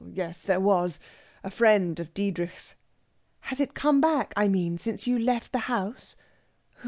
Oh yes, there was! a friend of Diedrich's...." "Has it come back, I mean, since you left the house?